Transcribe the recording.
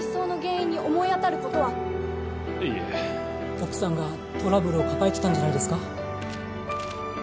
奥さんがトラブルを抱えてたんじゃないですか？